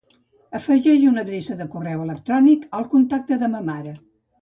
Afegeix una adreça de correu electrònic al contacte de ma mare.